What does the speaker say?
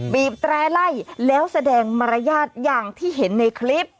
บีบแตร่ไล่แล้วแสดงมารยาทอย่างที่เห็นในคลิป